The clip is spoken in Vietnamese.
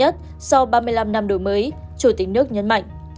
chủ tịch nước nhấn mạnh